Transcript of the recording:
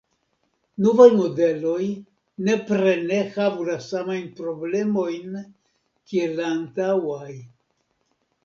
Novaj modeloj nepre ne havu la samajn problemojn kiel la antaŭaj.